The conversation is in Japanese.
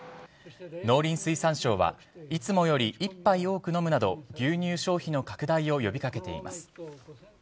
農林水産省はいつもより一杯多く飲むなど牛乳消費の拡大を呼び掛けています。